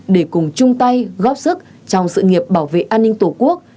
để cùng chung tay góp sức trong sự nghiệp bảo vệ an ninh tổ quốc